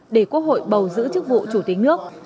để quốc hội bầu giữ chức vụ chủ tịch nước